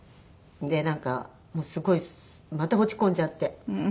でなんかすごいまた落ち込んじゃって。